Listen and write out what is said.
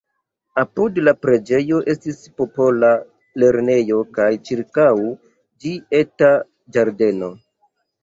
Apud la preĝejo estis popola lernejo kaj ĉirkaŭ ĝi eta ĝardeno.